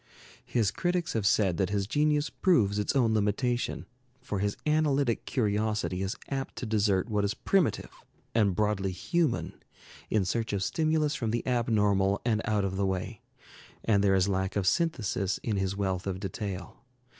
His critics have said that his genius proves its own limitation, for his analytic curiosity is apt to desert what is primitive and broadly human in search of stimulus from the abnormal and out of the way, and there is lack of synthesis in his wealth of detail.